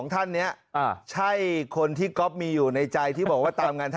๒ท่านเนี้ยใช่คนที่ก็มีอยู่ในใจที่บอกว่าแต่รับงาน